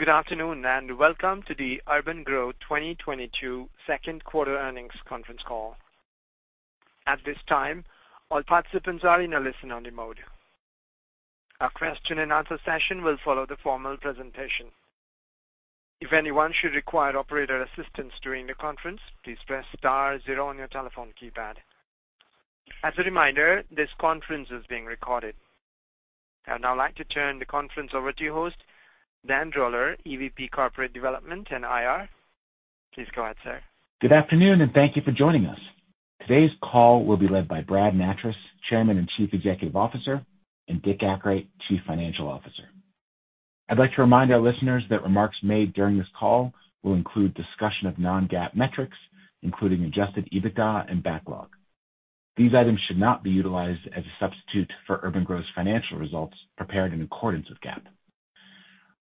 Good afternoon, and welcome to the urban-gro 2022 second quarter earnings conference call. At this time, all participants are in a listen-only mode. A question and answer session will follow the formal presentation. If anyone should require operator assistance during the conference, please press star zero on your telephone keypad. As a reminder, this conference is being recorded. I'd now like to turn the conference over to your host, Dan Droller, EVP, Corporate Development and IR. Please go ahead, sir. Good afternoon, and thank you for joining us. Today's call will be led by Brad Nattrass, Chairman and Chief Executive Officer, and Dick Akright, Chief Financial Officer. I'd like to remind our listeners that remarks made during this call will include discussion of non-GAAP metrics, including adjusted EBITDA and backlog. These items should not be utilized as a substitute for urban-gro's financial results prepared in accordance with GAAP.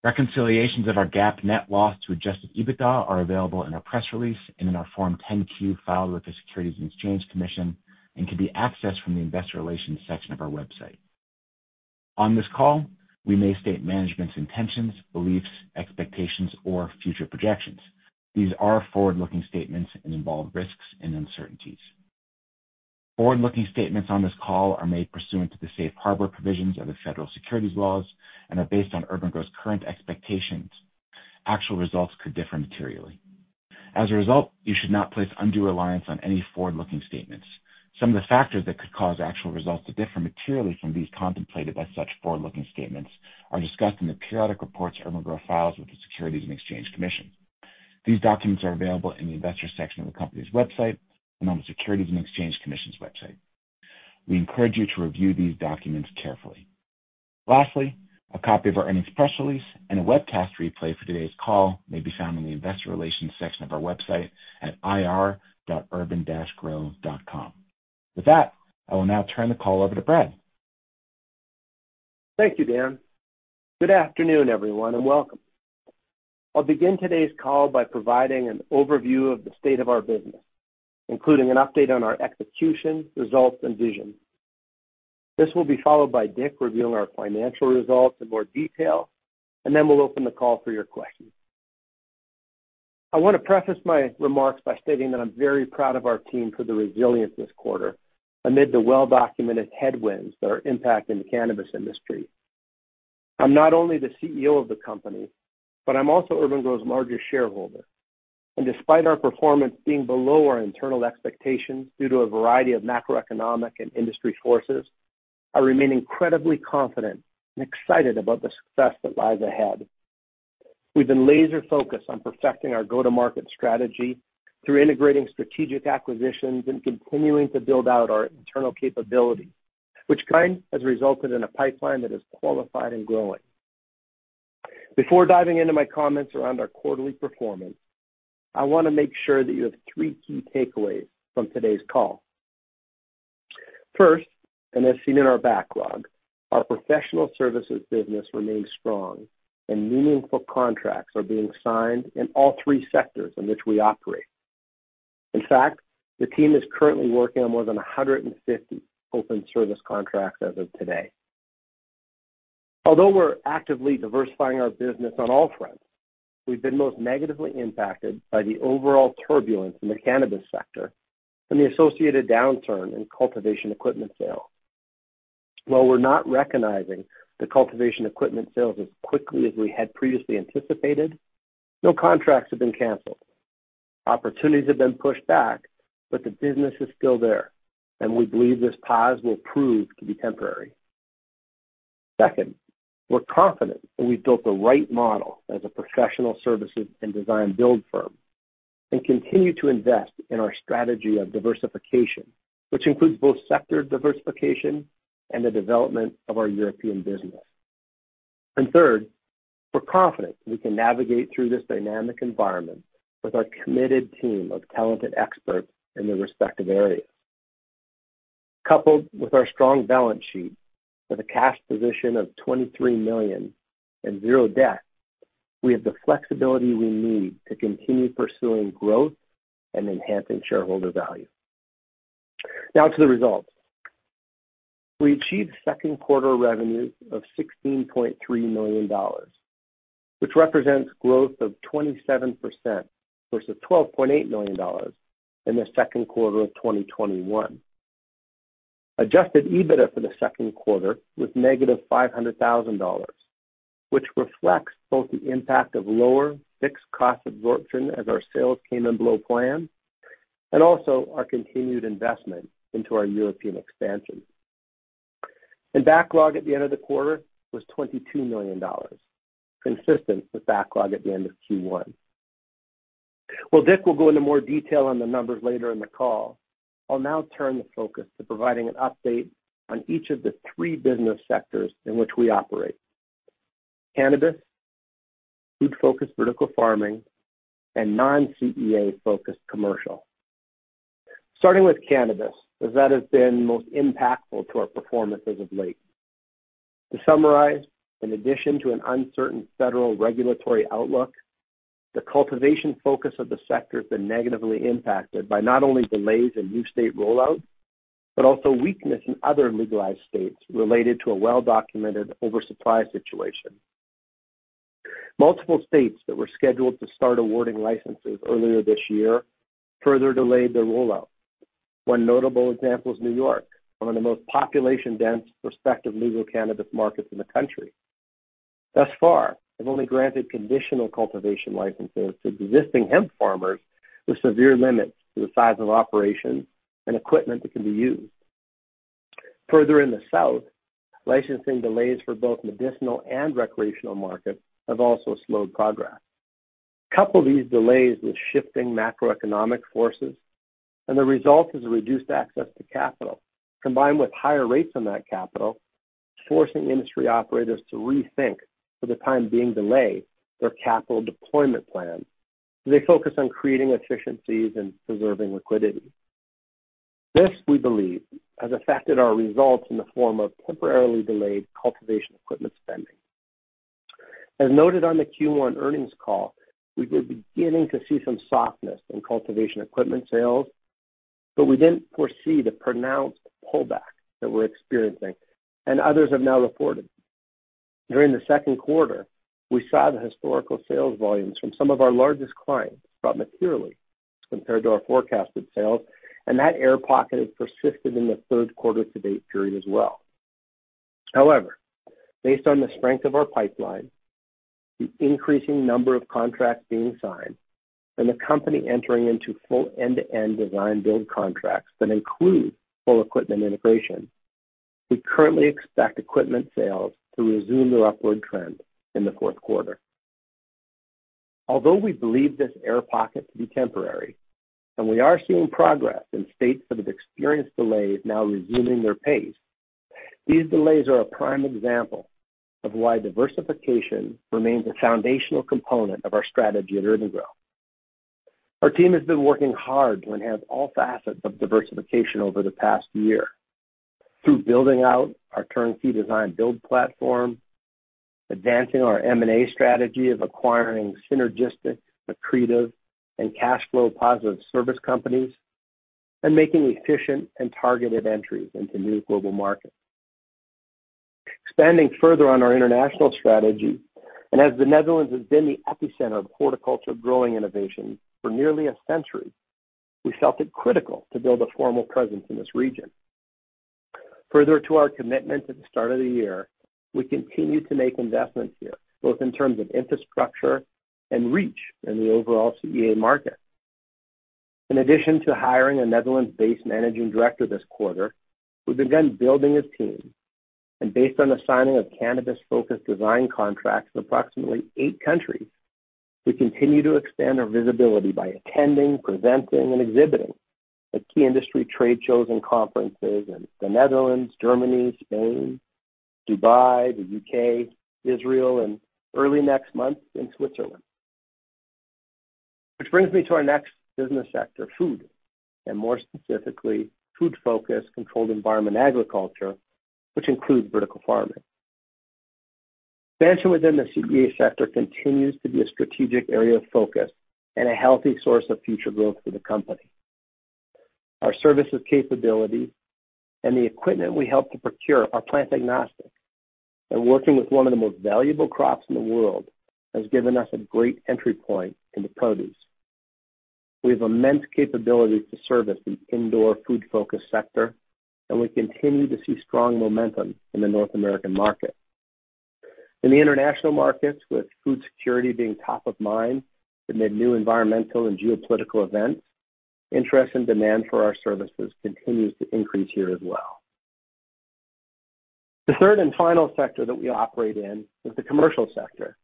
Reconciliations of our GAAP net loss to adjusted EBITDA are available in our press release and in our Form 10-Q filed with the Securities and Exchange Commission and can be accessed from the investor relations section of our website. On this call, we may state management's intentions, beliefs, expectations, or future projections. These are forward-looking statements and involve risks and uncertainties. Forward-looking statements on this call are made pursuant to the safe harbor provisions of the federal securities laws and are based on urban-gro's current expectations. Actual results could differ materially. As a result, you should not place undue reliance on any forward-looking statements. Some of the factors that could cause actual results to differ materially from these contemplated by such forward-looking statements are discussed in the periodic reports urban-gro files with the Securities and Exchange Commission. These documents are available in the investor section of the company's website and on the Securities and Exchange Commission's website. We encourage you to review these documents carefully. Lastly, a copy of our earnings press release and a webcast replay for today's call may be found in the investor relations section of our website at ir.urban-gro.com. With that, I will now turn the call over to Bradley Nattrass. Thank you, Dan. Good afternoon, everyone, and welcome. I'll begin today's call by providing an overview of the state of our business, including an update on our execution, results, and vision. This will be followed by Dick reviewing our financial results in more detail, and then we'll open the call for your questions. I want to preface my remarks by stating that I'm very proud of our team for their resilience this quarter amid the well-documented headwinds that are impacting the cannabis industry. I'm not only the CEO of the company, but I'm also urban-gro's largest shareholder. Despite our performance being below our internal expectations due to a variety of macroeconomic and industry forces, I remain incredibly confident and excited about the success that lies ahead. We've been laser-focused on perfecting our go-to-market strategy through integrating strategic acquisitions and continuing to build out our internal capabilities, which kind has resulted in a pipeline that is qualified and growing. Before diving into my comments around our quarterly performance, I wanna make sure that you have three key takeaways from today's call. First, as seen in our backlog, our professional services business remains strong and meaningful contracts are being signed in all three sectors in which we operate. In fact, the team is currently working on more than 150 open service contracts as of today. Although we're actively diversifying our business on all fronts, we've been most negatively impacted by the overall turbulence in the cannabis sector and the associated downturn in cultivation equipment sales. While we're not recognizing the cultivation equipment sales as quickly as we had previously anticipated, no contracts have been canceled. Opportunities have been pushed back, but the business is still there, and we believe this pause will prove to be temporary. Second, we're confident that we've built the right model as a professional services and design-build firm and continue to invest in our strategy of diversification, which includes both sector diversification and the development of our European business. Third, we're confident we can navigate through this dynamic environment with our committed team of talented experts in their respective areas. Coupled with our strong balance sheet with a cash position of $23 million and zero debt, we have the flexibility we need to continue pursuing growth and enhancing shareholder value. Now to the results. We achieved second quarter revenues of $16.3 million, which represents growth of 27% versus $12.8 million in the second quarter of 2021. Adjusted EBITDA for the second quarter was -$500,000, which reflects both the impact of lower fixed cost absorption as our sales came in below plan and also our continued investment into our European expansion. Backlog at the end of the quarter was $22 million, consistent with backlog at the end of Q1. While Dick will go into more detail on the numbers later in the call, I'll now turn the focus to providing an update on each of the three business sectors in which we operate: cannabis, food-focused vertical farming, and non-CEA-focused commercial. Starting with cannabis, as that has been most impactful to our performance as of late. To summarize, in addition to an uncertain federal regulatory outlook, the cultivation focus of the sector has been negatively impacted by not only delays in new state rollout, but also weakness in other legalized states related to a well-documented oversupply situation. Multiple states that were scheduled to start awarding licenses earlier this year further delayed their rollout. One notable example is New York, one of the most population-dense prospective legal cannabis markets in the country. Thus far, they've only granted conditional cultivation licenses to existing hemp farmers with severe limits to the size of operations and equipment that can be used. Further in the south, licensing delays for both medicinal and recreational markets have also slowed progress. Couple these delays with shifting macroeconomic forces, and the result is reduced access to capital, combined with higher rates on that capital, forcing industry operators to rethink, for the time being delay, their capital deployment plan as they focus on creating efficiencies and preserving liquidity. This, we believe, has affected our results in the form of temporarily delayed cultivation equipment spending. As noted on the Q1 earnings call, we were beginning to see some softness in cultivation equipment sales, but we didn't foresee the pronounced pullback that we're experiencing and others have now reported. During the second quarter, we saw the historical sales volumes from some of our largest clients drop materially compared to our forecasted sales, and that air pocket has persisted in the third quarter to date period as well. However, based on the strength of our pipeline, the increasing number of contracts being signed, and the company entering into full end-to-end design build contracts that include full equipment integration, we currently expect equipment sales to resume their upward trend in the fourth quarter. Although we believe this air pocket to be temporary, and we are seeing progress in states that have experienced delays now resuming their pace, these delays are a prime example of why diversification remains a foundational component of our strategy at urban-gro. Our team has been working hard to enhance all facets of diversification over the past year through building out our turnkey design build platform, advancing our M&A strategy of acquiring synergistic, accretive, and cash flow positive service companies, and making efficient and targeted entries into new global markets. Expanding further on our international strategy, and as the Netherlands has been the epicenter of horticulture growing innovation for nearly a century, we felt it critical to build a formal presence in this region. Further to our commitment at the start of the year, we continue to make investments here, both in terms of infrastructure and reach in the overall CEA market. In addition to hiring a Netherlands-based managing director this quarter, who's begun building his team, and based on the signing of cannabis-focused design contracts in approximately eight countries, we continue to expand our visibility by attending, presenting, and exhibiting at key industry trade shows and conferences in the Netherlands, Germany, Spain, Dubai, the U.K., Israel, and early next month in Switzerland. Which brings me to our next business sector, food, and more specifically, food-focused controlled environment agriculture, which includes vertical farming. Expansion within the CEA sector continues to be a strategic area of focus and a healthy source of future growth for the company. Our services capability and the equipment we help to procure are plant agnostic, and working with one of the most valuable crops in the world has given us a great entry point into produce. We have immense capabilities to service the indoor food-focused sector, and we continue to see strong momentum in the North American market. In the international markets, with food security being top of mind amid new environmental and geopolitical events, interest and demand for our services continues to increase here as well. The third and final sector that we operate in is the commercial sector.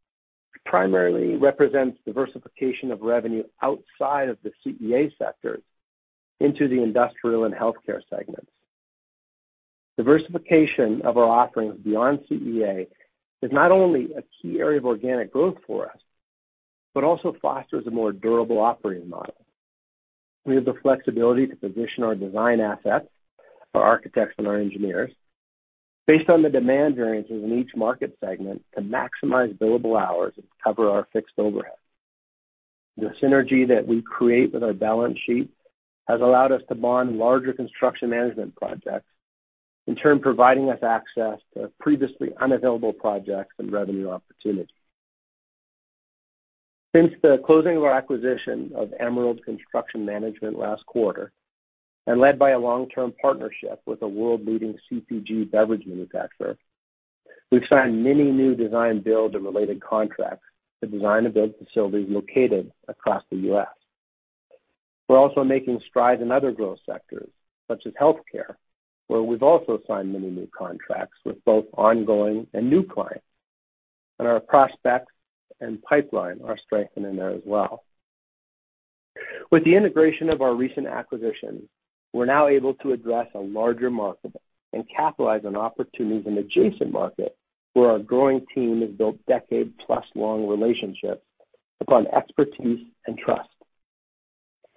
It primarily represents diversification of revenue outside of the CEA sector into the industrial and healthcare segments. Diversification of our offerings beyond CEA is not only a key area of organic growth for us, but also fosters a more durable operating model. We have the flexibility to position our design assets, our architects and our engineers based on the demand variances in each market segment to maximize billable hours and cover our fixed overhead. The synergy that we create with our balance sheet has allowed us to bond larger construction management projects, in turn providing us access to previously unavailable projects and revenue opportunities. Since the closing of our acquisition of Emerald Construction Management last quarter, and led by a long-term partnership with a world-leading CPG beverage manufacturer, we've signed many new design build and related contracts to design and build facilities located across the U.S. We're also making strides in other growth sectors such as healthcare, where we've also signed many new contracts with both ongoing and new clients, and our prospects and pipeline are strengthening there as well. With the integration of our recent acquisitions, we're now able to address a larger market and capitalize on opportunities in adjacent markets where our growing team has built decade-plus long relationships upon expertise and trust.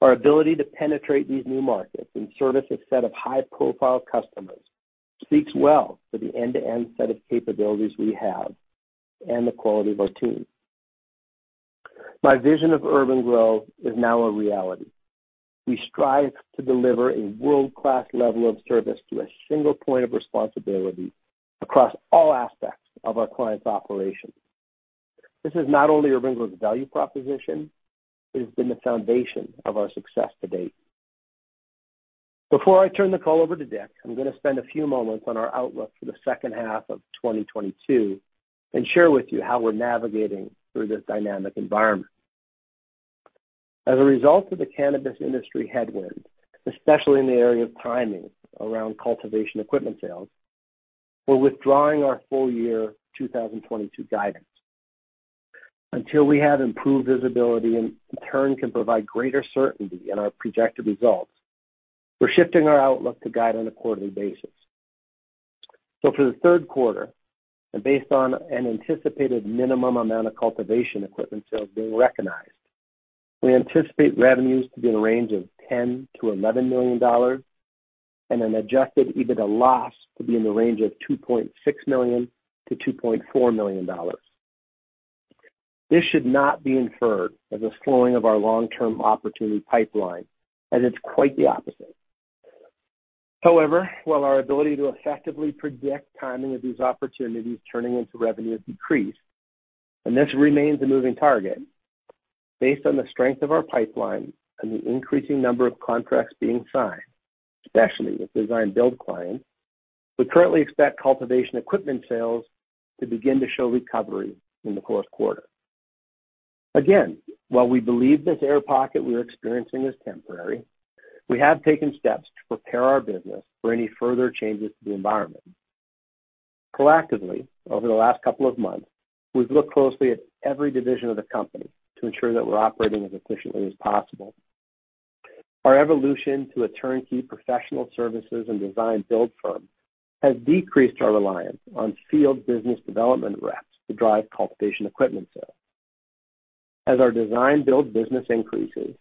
Our ability to penetrate these new markets and service a set of high-profile customers speaks well for the end-to-end set of capabilities we have and the quality of our team. My vision of urban-gro is now a reality. We strive to deliver a world-class level of service to a single point of responsibility across all aspects of our clients' operations. This is not only urban-gro's value proposition, it has been the foundation of our success to date. Before I turn the call over to Dick, I'm gonna spend a few moments on our outlook for the second half of 2022 and share with you how we're navigating through this dynamic environment. As a result of the cannabis industry headwind, especially in the area of timing around cultivation equipment sales, we're withdrawing our full year 2022 guidance. Until we have improved visibility and in turn can provide greater certainty in our projected results, we're shifting our outlook to guide on a quarterly basis. For the third quarter, and based on an anticipated minimum amount of cultivation equipment sales being recognized, we anticipate revenues to be in a range of $10 million-$11 million and an adjusted EBITDA loss to be in the range of $2.6 million-$2.4 million. This should not be inferred as a slowing of our long-term opportunity pipeline, as it's quite the opposite. However, while our ability to effectively predict timing of these opportunities turning into revenue has decreased, and this remains a moving target, based on the strength of our pipeline and the increasing number of contracts being signed, especially with design build clients, we currently expect cultivation equipment sales to begin to show recovery in the fourth quarter. Again, while we believe this air pocket we're experiencing is temporary, we have taken steps to prepare our business for any further changes to the environment. Proactively, over the last couple of months, we've looked closely at every division of the company to ensure that we're operating as efficiently as possible. Our evolution to a turnkey professional services and design build firm has decreased our reliance on field business development reps to drive cultivation equipment sales. As our design build business increases,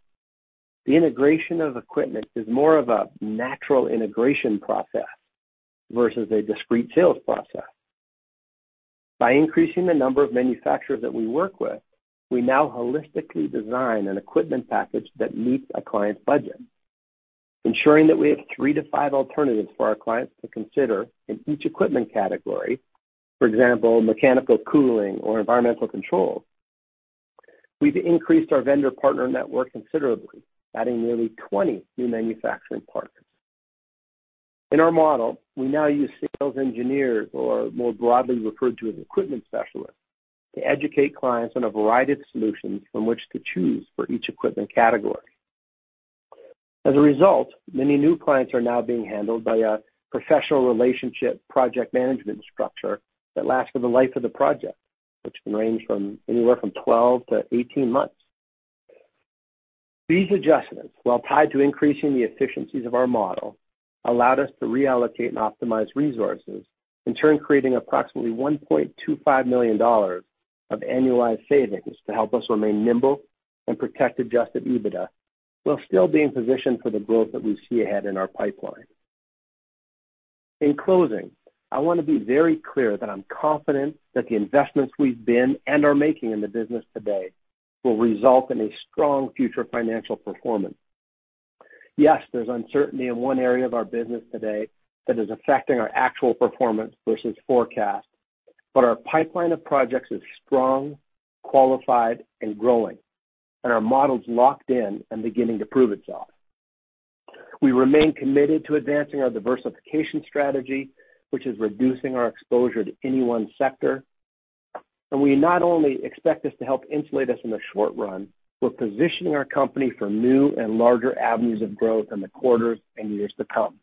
the integration of equipment is more of a natural integration process versus a discrete sales process. By increasing the number of manufacturers that we work with, we now holistically design an equipment package that meets a client's budget, ensuring that we have 3-5 alternatives for our clients to consider in each equipment category, for example, mechanical cooling or environmental control. We've increased our vendor partner network considerably, adding nearly 20 new manufacturing partners. In our model, we now use sales engineers, or more broadly referred to as equipment specialists, to educate clients on a variety of solutions from which to choose for each equipment category. As a result, many new clients are now being handled by a professional relationship project management structure that lasts for the life of the project, which can range from anywhere from 12-18 months. These adjustments, while tied to increasing the efficiencies of our model, allowed us to reallocate and optimize resources, in turn creating approximately $1.25 million of annualized savings to help us remain nimble and protect adjusted EBITDA, while still being positioned for the growth that we see ahead in our pipeline. In closing, I want to be very clear that I'm confident that the investments we've been and are making in the business today will result in a strong future financial performance. Yes, there's uncertainty in one area of our business today that is affecting our actual performance versus forecast, but our pipeline of projects is strong, qualified, and growing, and our model's locked in and beginning to prove itself. We remain committed to advancing our diversification strategy, which is reducing our exposure to any one sector. We not only expect this to help insulate us in the short run, we're positioning our company for new and larger avenues of growth in the quarters and years to come.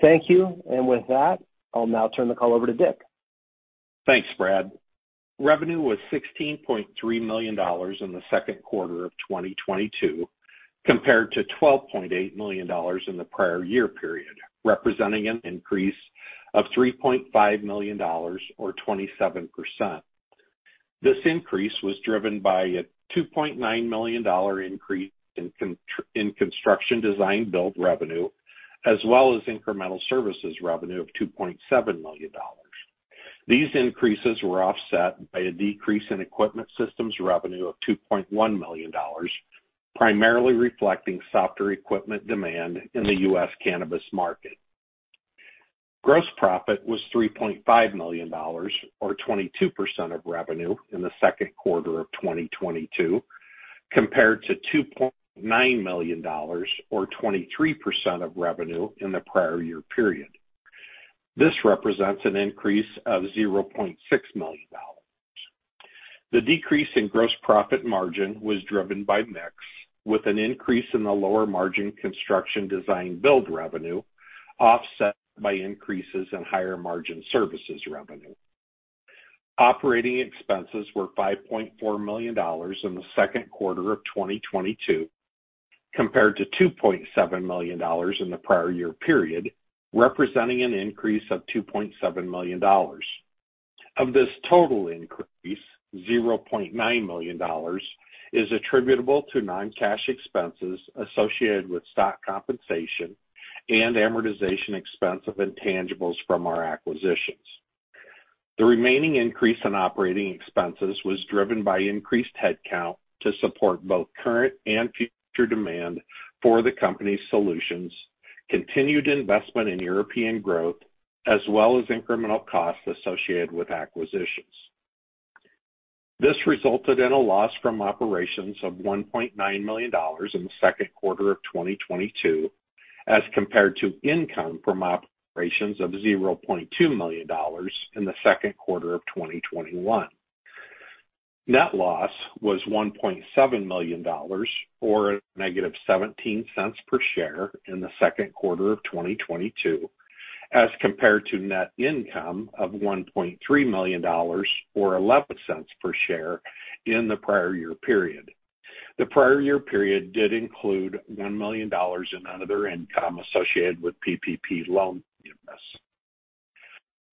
Thank you. With that, I'll now turn the call over to Dick. Thanks, Brad. Revenue was $16.3 million in the second quarter of 2022, compared to $12.8 million in the prior year period, representing an increase of $3.5 million or 27%. This increase was driven by a $2.9 million increase in construction design build revenue, as well as incremental services revenue of $2.7 million. These increases were offset by a decrease in equipment systems revenue of $2.1 million, primarily reflecting softer equipment demand in the U.S. cannabis market. Gross profit was $3.5 million or 22% of revenue in the second quarter of 2022, compared to $2.9 million or 23% of revenue in the prior year period. This represents an increase of $0.6 million. The decrease in gross profit margin was driven by mix, with an increase in the lower margin construction design build revenue offset by increases in higher margin services revenue. Operating expenses were $5.4 million in the second quarter of 2022, compared to $2.7 million in the prior year period, representing an increase of $2.7 million. Of this total increase, $0.9 million is attributable to non-cash expenses associated with stock compensation and amortization expense of intangibles from our acquisitions. The remaining increase in operating expenses was driven by increased head count to support both current and future demand for the company's solutions, continued investment in European growth, as well as incremental costs associated with acquisitions. This resulted in a loss from operations of $1.9 million in the second quarter of 2022, as compared to income from operations of $0.2 million in the second quarter of 2021. Net loss was $1.7 million, or -$0.17 per share in the second quarter of 2022, as compared to net income of $1.3 million or $0.11 per share in the prior year period. The prior year period did include $1 million in other income associated with PPP loan forgiveness.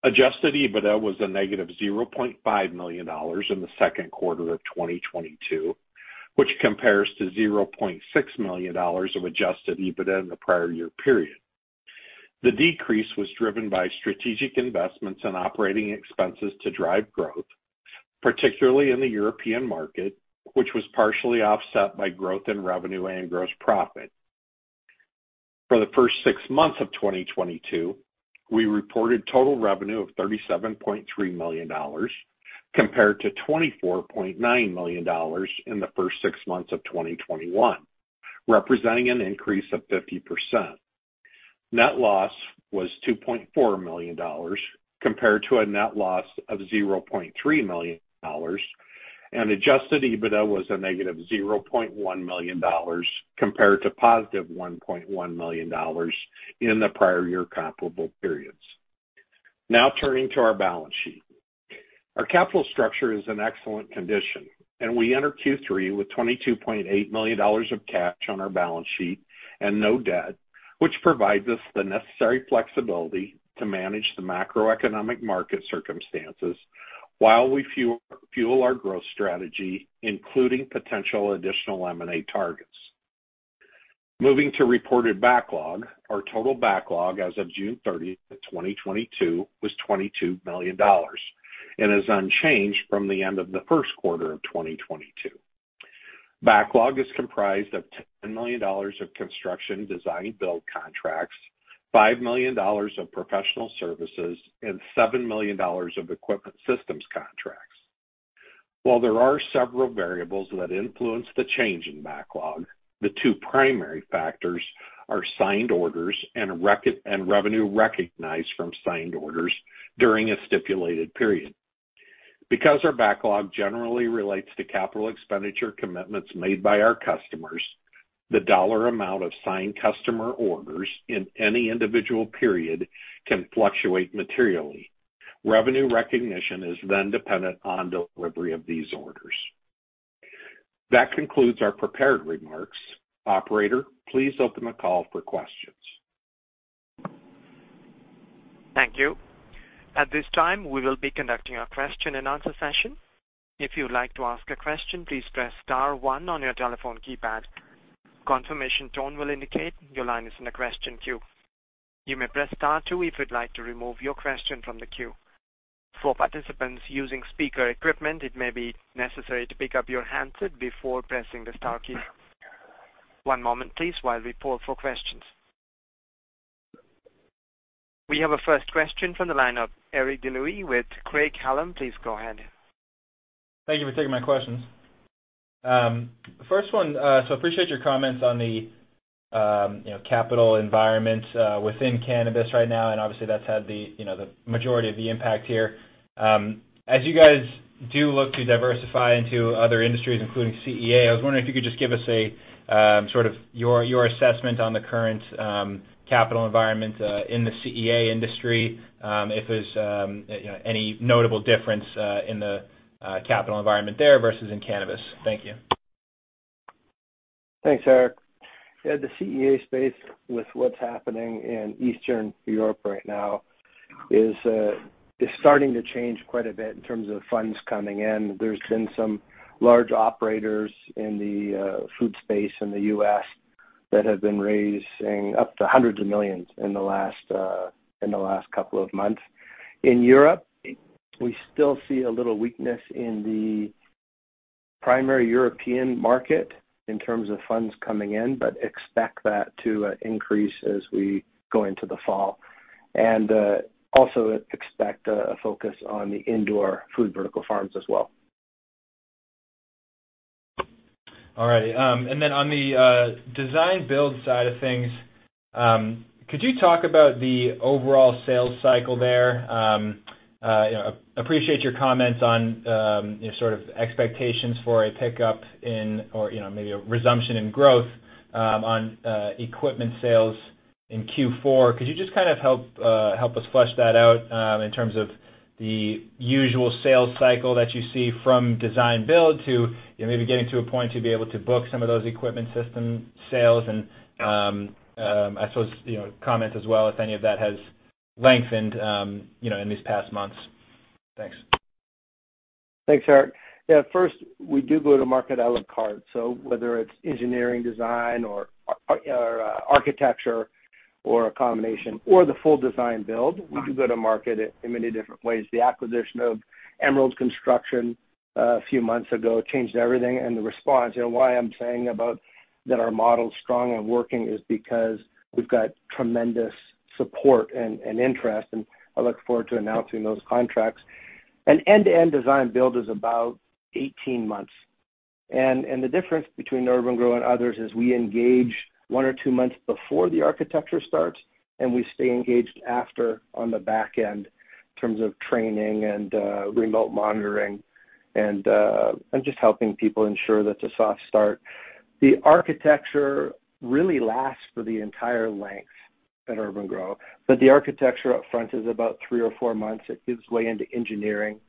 Adjusted EBITDA was -$0.5 million in the second quarter of 2022, which compares to $0.6 million of adjusted EBITDA in the prior year period. The decrease was driven by strategic investments in operating expenses to drive growth, particularly in the European market, which was partially offset by growth in revenue and gross profit. For the first six months of 2022, we reported total revenue of $37.3 million compared to $24.9 million in the first six months of 2021, representing an increase of 50%. Net loss was $2.4 million compared to a net loss of $0.3 million, and adjusted EBITDA was a negative $0.1 million compared to positive $1.1 million in the prior year comparable periods. Now turning to our balance sheet. Our capital structure is in excellent condition, and we enter Q3 with $22.8 million of cash on our balance sheet and no debt, which provides us the necessary flexibility to manage the macroeconomic market circumstances while we fuel our growth strategy, including potential additional M&A targets. Moving to reported backlog. Our total backlog as of June 30th, 2022 was $22 million and is unchanged from the end of the first quarter of 2022. Backlog is comprised of $10 million of construction design build contracts, $5 million of professional services, and $7 million of equipment systems contracts. While there are several variables that influence the change in backlog, the two primary factors are signed orders and revenue recognized from signed orders during a stipulated period. Because our backlog generally relates to capital expenditure commitments made by our customers, the dollar amount of signed customer orders in any individual period can fluctuate materially. Revenue recognition is then dependent on delivery of these orders. That concludes our prepared remarks. Operator, please open the call for questions. Thank you. At this time, we will be conducting a question and answer session. If you would like to ask a question, please press star one on your telephone keypad. Confirmation tone will indicate your line is in the question queue. You may press star two if you'd like to remove your question from the queue. For participants using speaker equipment, it may be necessary to pick up your handset before pressing the star key. One moment please while we poll for questions. We have a first question from the line of Eric Deslauriers with Craig-Hallum. Please go ahead. Thank you for taking my questions. First one, appreciate your comments on the you know, capital environment within cannabis right now, and obviously that's had the you know, the majority of the impact here. As you guys do look to diversify into other industries, including CEA, I was wondering if you could just give us a sort of your assessment on the current capital environment in the CEA industry, if there's you know, any notable difference in the capital environment there versus in cannabis. Thank you. Thanks, Eric. Yeah, the CEA space with what's happening in Eastern Europe right now is starting to change quite a bit in terms of funds coming in. There's been some large operators in the food space in the U.S. that have been raising up to $hundreds of millions in the last couple of months. In Europe, we still see a little weakness in the primary European market in terms of funds coming in, but expect that to increase as we go into the fall. Also expect a focus on the indoor food vertical farms as well. All right. And then on the design-build side of things, could you talk about the overall sales cycle there? You know, appreciate your comments on, you know, sort of expectations for a pickup in, or you know, maybe a resumption in growth, on equipment sales in Q4. Could you just kind of help us flesh that out, in terms of the usual sales cycle that you see from design-build to, you know, maybe getting to a point to be able to book some of those equipment system sales? I suppose, you know, comment as well if any of that has lengthened, you know, in these past months. Thanks. Thanks, Eric. Yeah, first, we do go to market a la carte. Whether it's engineering design or architecture or a combination or the full design build, we do go to market in many different ways. The acquisition of Emerald Construction Management Inc. a few months ago changed everything, and the response, you know, why I'm saying about that our model is strong and working is because we've got tremendous support and interest, and I look forward to announcing those contracts. An end-to-end design build is about 18 months. The difference between urban-gro and others is we engage 1 or 2 months before the architecture starts, and we stay engaged after on the back end in terms of training and remote monitoring and just helping people ensure that's a soft start. The architecture really lasts for the entire length at urban-gro, but the architecture up front is about three or four months. It gives way into engineering.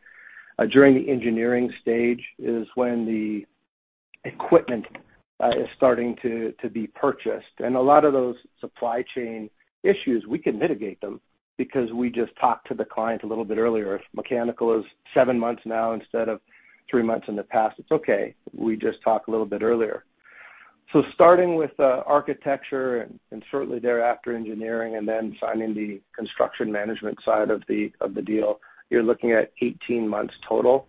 During the engineering stage is when the equipment is starting to be purchased. A lot of those supply chain issues, we can mitigate them because we just talk to the client a little bit earlier. If mechanical is seven months now instead of three months in the past, it's okay. We just talk a little bit earlier. Starting with architecture and certainly thereafter engineering and then signing the construction management side of the deal, you're looking at 18 months total.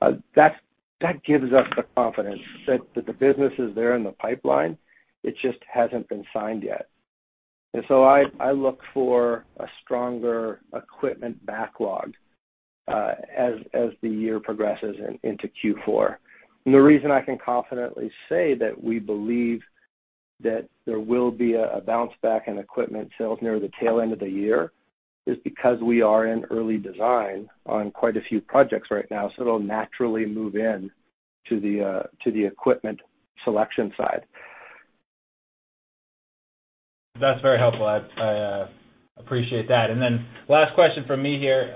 That gives us the confidence that the business is there in the pipeline. It just hasn't been signed yet. I look for a stronger equipment backlog as the year progresses into Q4. The reason I can confidently say that we believe that there will be a bounce back in equipment sales near the tail end of the year is because we are in early design on quite a few projects right now, so it'll naturally move into the equipment selection side. That's very helpful. I appreciate that. Then last question from me here.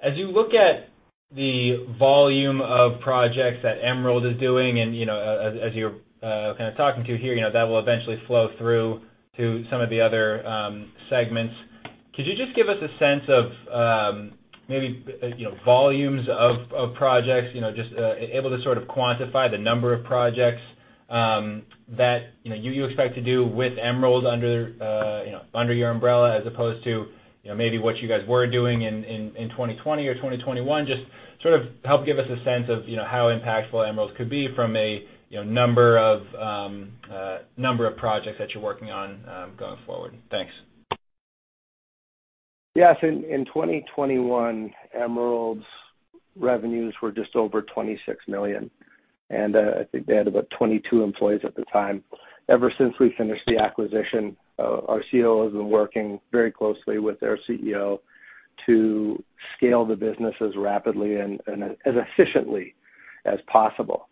As you look at the volume of projects that Emerald is doing and, you know, as you're kind of talking to here, you know, that will eventually flow through to some of the other segments. Could you just give us a sense of, maybe, you know, volumes of projects, you know, just able to sort of quantify the number of projects, that, you know, you expect to do with Emerald under, you know, under your umbrella as opposed to, you know, maybe what you guys were doing in 2020 or 2021, just sort of help give us a sense of, you know, how impactful Emerald could be from a, you know, number of projects that you're working on, going forward. Thanks. Yes. In 2021, Emerald's revenues were just over $26 million, and I think they had about 22 employees at the time. Ever since we finished the acquisition, our CEO has been working very closely with their CEO to scale the business as rapidly and as efficiently as possible.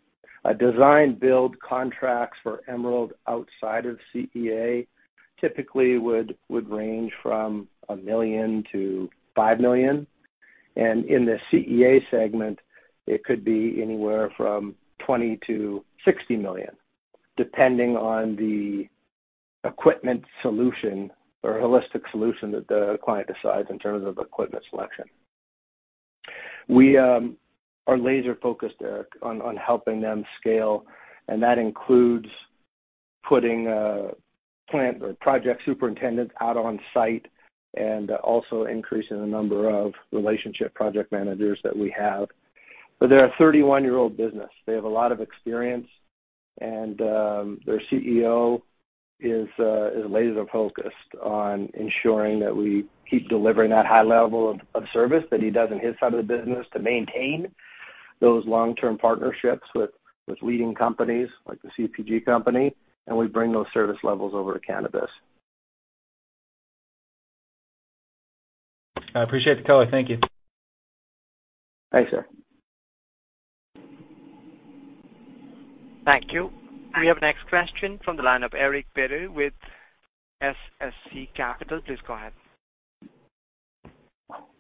Design-build contracts for Emerald outside of CEA typically would range from $1 million-$5 million. In the CEA segment, it could be anywhere from $20 million-$60 million, depending on the equipment solution or holistic solution that the client decides in terms of equipment selection. We are laser-focused, Eric, on helping them scale, and that includes putting a plant or project superintendent out on site and also increasing the number of relationship project managers that we have. They're a 31-year-old business. They have a lot of experience, and their CEO is laser-focused on ensuring that we keep delivering that high level of service that he does on his side of the business to maintain those long-term partnerships with leading companies like the CPG company, and we bring those service levels over to cannabis. I appreciate the color. Thank you. Thanks, Eric. Thank you. We have next question from the line of Eric Beder with SCC Research. Please go ahead.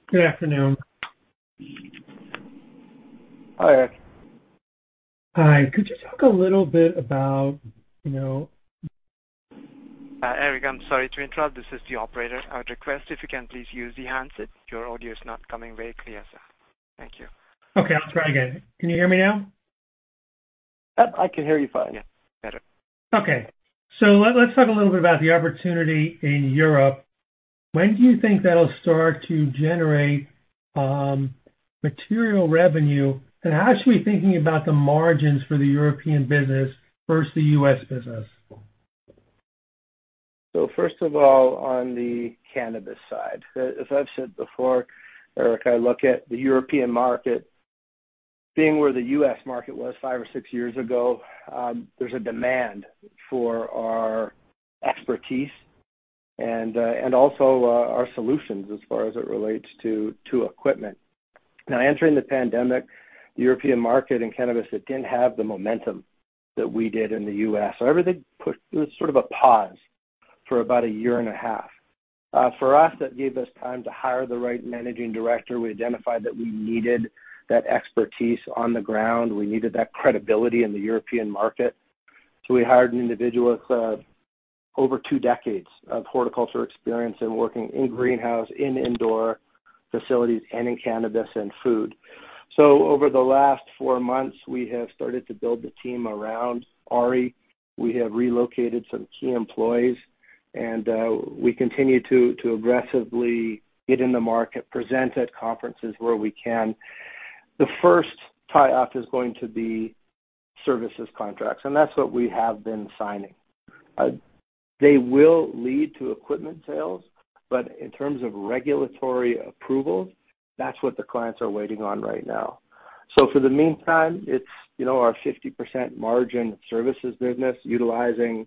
Good afternoon. Hi, Eric. Hi. Could you talk a little bit about, you know. Eric, I'm sorry to interrupt. This is the operator. I would request if you can please use the handset. Your audio is not coming very clear, sir. Thank you. Okay, I'll try again. Can you hear me now? Yep, I can hear you fine. Yes, better. Okay. Let's talk a little bit about the opportunity in Europe. When do you think that'll start to generate material revenue? And how should we be thinking about the margins for the European business versus the U.S. business? First of all, on the cannabis side, as I've said before, Eric, I look at the European market being where the US market was five or six years ago. There's a demand for our expertise and also our solutions as far as it relates to equipment. Now, entering the pandemic, the European market in cannabis didn't have the momentum that we did in the US. It was sort of a pause for about a year and a half. For us, that gave us time to hire the right managing director. We identified that we needed that expertise on the ground. We needed that credibility in the European market. We hired an individual with over two decades of horticulture experience in working in greenhouse, in indoor facilities, and in cannabis and food. Over the last 4 months, we have started to build the team around Ari. We have relocated some key employees, and we continue to aggressively get in the market, present at conferences where we can. The first tie up is going to be services contracts, and that's what we have been signing. They will lead to equipment sales, but in terms of regulatory approvals, that's what the clients are waiting on right now. For the meantime, it's, you know, our 50% margin services business utilizing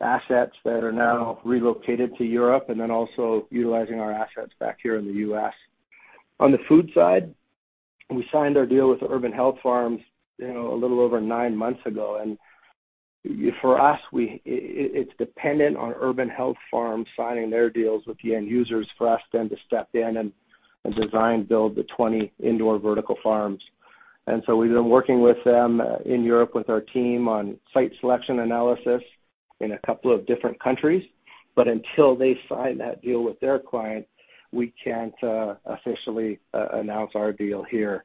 assets that are now relocated to Europe and then also utilizing our assets back here in the U.S. On the food side, we signed our deal with Urban Health Farms, you know, a little over nine months ago. For us, it's dependent on Urban Health Farms signing their deals with the end users for us then to step in and design-build the 20 indoor vertical farms. We've been working with them in Europe with our team on site selection analysis in a couple of different countries. Until they sign that deal with their client, we can't officially announce our deal here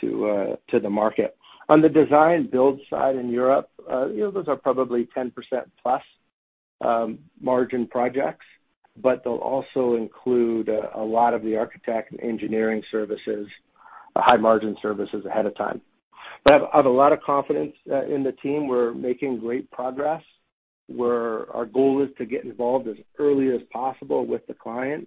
to the market. On the design-build side in Europe, those are probably 10%+ margin projects, but they'll also include a lot of the architect and engineering services, high-margin services ahead of time. I've a lot of confidence in the team. We're making great progress, where our goal is to get involved as early as possible with the client.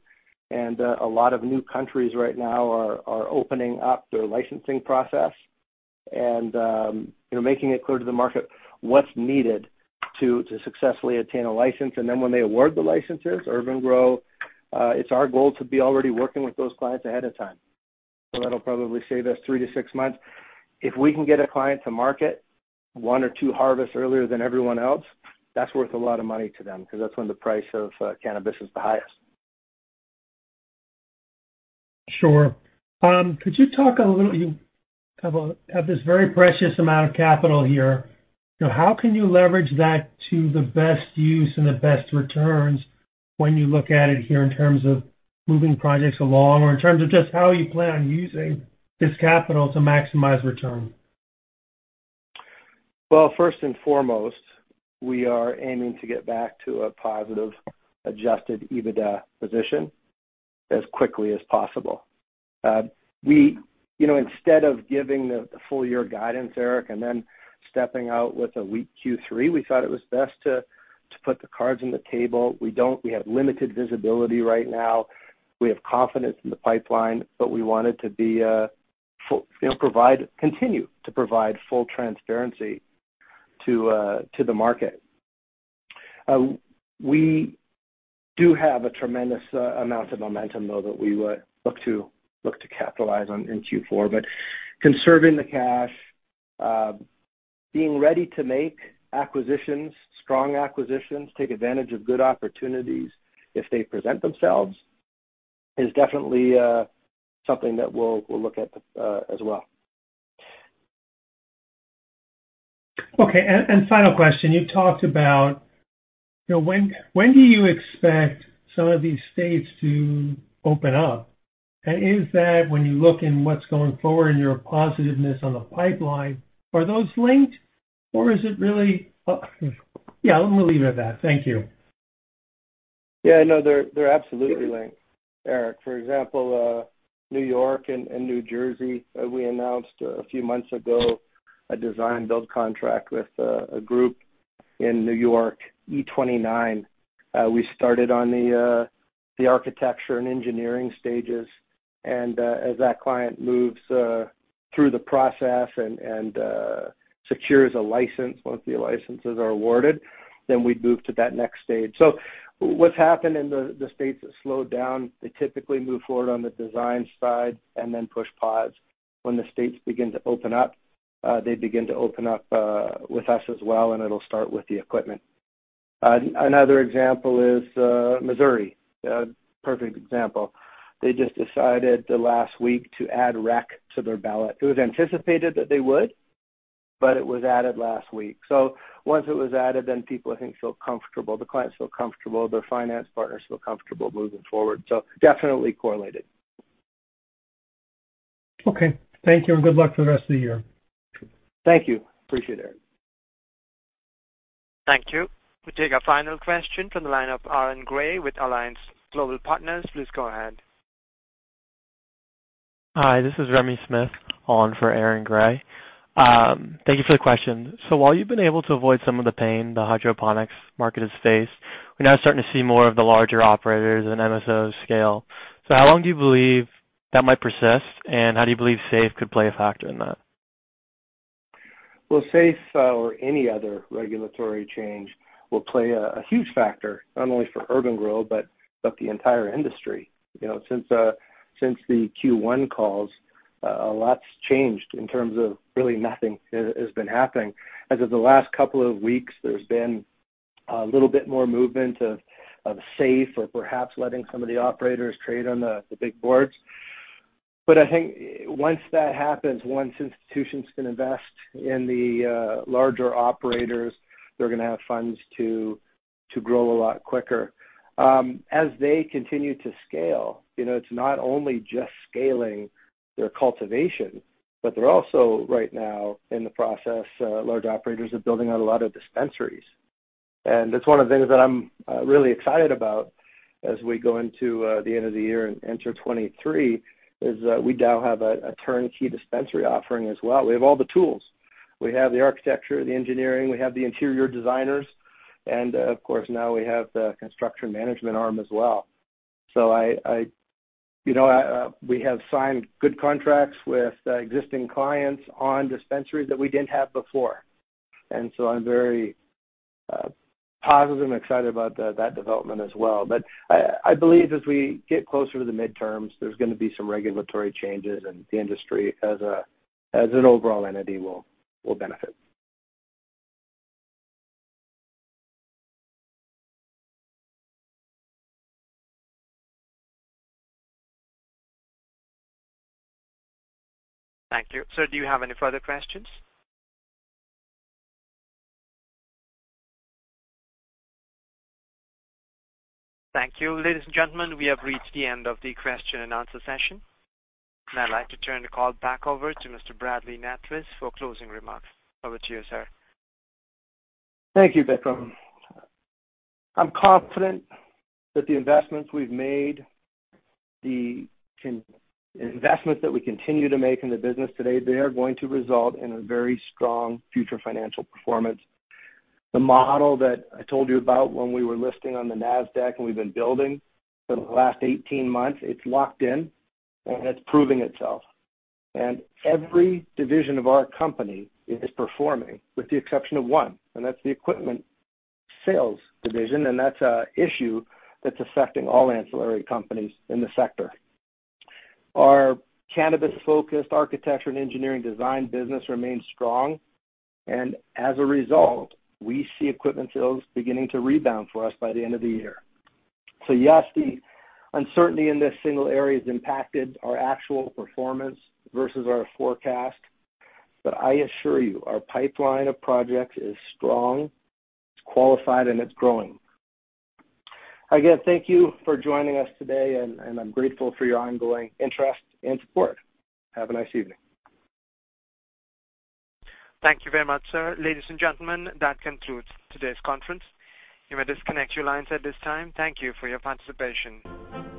A lot of new countries right now are opening up their licensing process and making it clear to the market what's needed to successfully attain a license. Then when they award the licenses, urban-gro, it's our goal to be already working with those clients ahead of time. That'll probably save us 3-6 months. If we can get a client to market 1 or 2 harvests earlier than everyone else, that's worth a lot of money to them because that's when the price of cannabis is the highest. Sure. Could you talk a little. You have this very precious amount of capital here. How can you leverage that to the best use and the best returns when you look at it here in terms of moving projects along or in terms of just how you plan on using this capital to maximize return? Well, first and foremost, we are aiming to get back to a positive adjusted EBITDA position as quickly as possible. You know, instead of giving the full year guidance, Eric, and then stepping out with a weak Q3, we thought it was best to put the cards on the table. We have limited visibility right now. We have confidence in the pipeline, but we wanted to be, you know, provide, continue to provide full transparency to the market. We do have a tremendous amount of momentum, though, that we would look to capitalize on in Q4. Conserving the cash, being ready to make acquisitions, strong acquisitions, take advantage of good opportunities if they present themselves, is definitely something that we'll look at as well. Okay. Final question, you've talked about, you know, when do you expect some of these states to open up? Is that when you look in what's going forward in your positiveness on the pipeline, are those linked or is it really. Yeah, I'm gonna leave it at that. Thank you. Yeah, no, they're absolutely linked, Eric. For example, New York and New Jersey, we announced a few months ago a design build contract with a group in New York, E29 Labs. We started on the architecture and engineering stages. As that client moves through the process and secures a license, once the licenses are awarded, then we'd move to that next stage. What's happened in the states that slowed down, they typically move forward on the design side and then push pause. When the states begin to open up, they begin to open up with us as well, and it'll start with the equipment. Another example is Missouri. A perfect example. They just decided last week to add rec to their ballot. It was anticipated that they would, but it was added last week. Once it was added, then people, I think, feel comfortable. The clients feel comfortable, their finance partners feel comfortable moving forward, so definitely correlated. Okay. Thank you, and good luck for the rest of the year. Thank you. Appreciate it. Thank you. We take our final question from the line of Aaron Grey with Alliance Global Partners. Please go ahead. Hi, this is Remington Smith on for Aaron Grey. Thank you for the question. While you've been able to avoid some of the pain the hydroponics market has faced, we're now starting to see more of the larger operators and MSOs scale. How long do you believe that might persist, and how do you believe SAFE could play a factor in that? Well, SAFE or any other regulatory change will play a huge factor not only for urban-gro, but the entire industry. You know, since the Q1 calls, a lot's changed in terms of really nothing has been happening. As of the last couple of weeks, there's been a little bit more movement of SAFE or perhaps letting some of the operators trade on the big boards. I think once that happens, once institutions can invest in the larger operators, they're gonna have funds to grow a lot quicker. As they continue to scale, you know, it's not only just scaling their cultivation, but they're also right now in the process, large operators are building out a lot of dispensaries. That's one of the things that I'm really excited about as we go into the end of the year and enter 2023, is that we now have a turnkey dispensary offering as well. We have all the tools. We have the architecture, the engineering, we have the interior designers, and of course, now we have the construction management arm as well. I, you know, we have signed good contracts with existing clients on dispensaries that we didn't have before. I'm very positive and excited about that development as well. I believe as we get closer to the midterms, there's gonna be some regulatory changes, and the industry as an overall entity will benefit. Thank you. Sir, do you have any further questions? Thank you. Ladies and gentlemen, we have reached the end of the question and answer session. I'd like to turn the call back over to Mr. Bradley Nattrass for closing remarks. Over to you, sir. Thank you, Vikram. I'm confident that the investments we've made, the investments that we continue to make in the business today, they are going to result in a very strong future financial performance. The model that I told you about when we were listing on the Nasdaq and we've been building for the last 18 months, it's locked in, and it's proving itself. Every division of our company is performing, with the exception of one, and that's the equipment sales division, and that's an issue that's affecting all ancillary companies in the sector. Our cannabis-focused architecture and engineering design business remains strong, and as a result, we see equipment sales beginning to rebound for us by the end of the year. Yes, the uncertainty in this single area has impacted our actual performance versus our forecast, but I assure you, our pipeline of projects is strong, it's qualified, and it's growing. Again, thank you for joining us today, and I'm grateful for your ongoing interest and support. Have a nice evening. Thank you very much, sir. Ladies and gentlemen, that concludes today's conference. You may disconnect your lines at this time. Thank you for your participation.